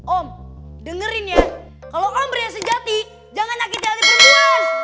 om dengerin ya kalo om beri yang sejati jangan nyakitin hati perempuan